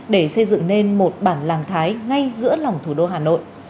để xây dựng nên một bản làng thái ngay giữa lòng thủ đô hà nội